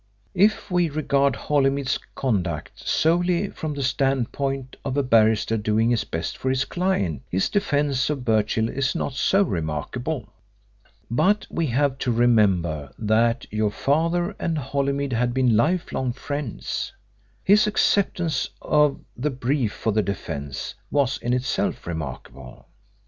If we regard Holymead's conduct solely from the standpoint of a barrister doing his best for his client his defence of Birchill is not so remarkable. But we have to remember that your father and Holymead had been life long friends. His acceptance of the brief for the defence was in itself remarkable.